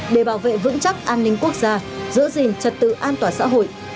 để bảo vệ vững chắc an ninh quốc gia giữ gìn trật tự an toàn xã hội